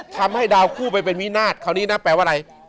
ทำให้ดาวคู่ไปเป็นวินาศคราวนี้นะแปลว่าอะไร